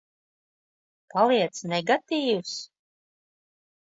Paliec negatīvs?